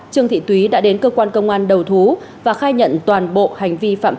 trương thị túy đã đến cơ quan công an đầu thú và khai nhận toàn bộ hành vi phạm tội